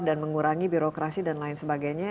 dan mengurangi birokrasi dan lain sebagainya